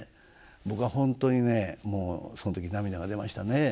僕は本当にねもうその時涙が出ましたね。